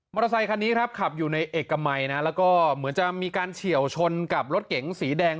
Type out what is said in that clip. อเตอร์ไซคันนี้ครับขับอยู่ในเอกมัยนะแล้วก็เหมือนจะมีการเฉียวชนกับรถเก๋งสีแดง